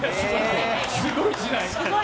すごい時代。